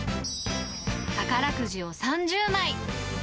宝くじを３０枚。